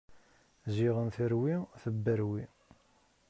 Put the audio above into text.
Ziɣen terwi, tebberwi!